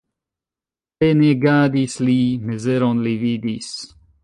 Penegadis li, mizeron li vidis.